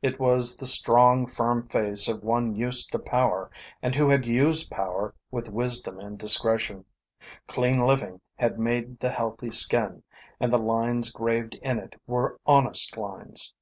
It was the strong, firm face of one used to power and who had used power with wisdom and discretion. Clean living had made the healthy skin, and the lines graved in it were honest lines.